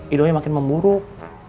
idoi makin memburuk